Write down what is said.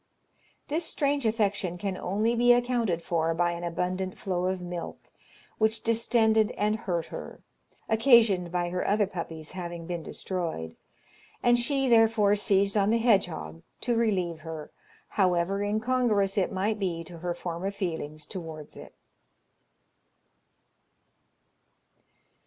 This strange affection can only be accounted for by an abundant flow of milk, which distended and hurt her, occasioned by her other puppies having been destroyed, and she, therefore, seized on the hedgehog to relieve her, however incongruous it might be to her former feelings towards it.